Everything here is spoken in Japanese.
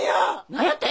何やて！